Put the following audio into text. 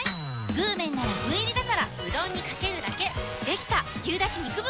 具麺なら具入りだからうどんにかけるだけできた！